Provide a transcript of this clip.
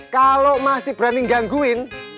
kalau masih berani ngangguin